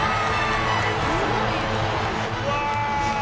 うわ！